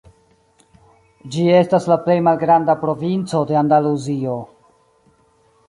Ĝi estas la plej malgranda provinco de Andaluzio.